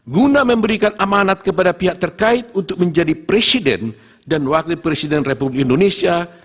guna memberikan amanat kepada pihak terkait untuk menjadi presiden dan wakil presiden republik indonesia dua ribu dua puluh empat dua ribu dua puluh sembilan